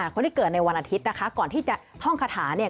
คนที่เกิดในวันอาทิตย์นะคะก่อนที่จะท่องคาถาเนี่ย